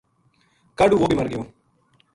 کاہڈ وہ بے مر گیو